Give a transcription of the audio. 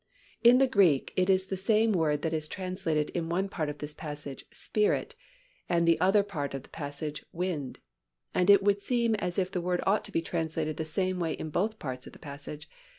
In the Greek, it is the same word that is translated in one part of this passage "Spirit" and the other part of the passage "wind." And it would seem as if the word ought to be translated the same way in both parts of the passage.